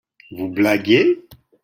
Vous blaguez ?